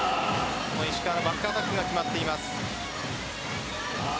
石川のバックアタックが決まっています。